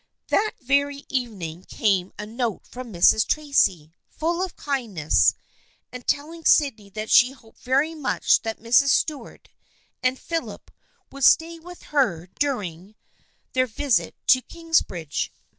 That very evening came a note from Mrs. Tracy, full of kindness, and telling Sydney that she hoped very much that Mrs. Stuart and Philip would stay with her during 290 THE FEIENDSHIP OF ANNE their visit to Kingsbridge.